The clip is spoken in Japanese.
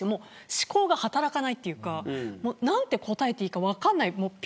思考が働かないというか何て答えたらいいか分からない。